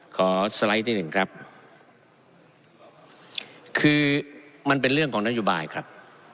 สไลด์ที่หนึ่งครับคือมันเป็นเรื่องของนโยบายครับ